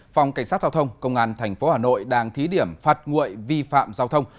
phòng cảnh sát giao thông công an tp hà nội đang thí điểm phạt nguội vi phạm giao thông